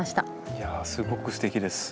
いやあすごくすてきです。